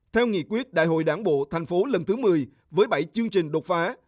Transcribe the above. theo nghị quyết đại hội đảng bộ thành phố lần thứ một mươi với bảy chương trình đột phá